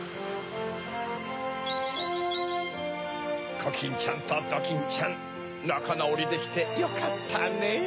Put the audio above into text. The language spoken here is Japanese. コキンちゃんとドキンちゃんなかなおりできてよかったねぇ。